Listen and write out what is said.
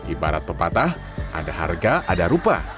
ibarat pepatah ada harga ada rupa